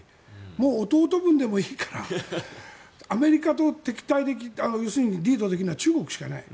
もう弟分でもいいからアメリカと敵対要するにリードできるのは中国しかいない。